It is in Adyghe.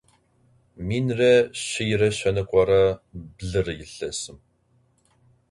Minre şsiyre şsenıkhore blıre yilhesım.